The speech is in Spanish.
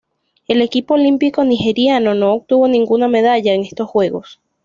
El equipo olímpico nigeriano no obtuvo ninguna medalla en estos Juegos.